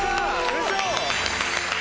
ウソ？